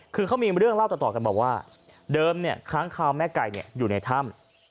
คือเขามีเรื่องเล่าต่อกันบอกว่าเดิมค้างคาวแม่ไก่อยู่ในถ้ำ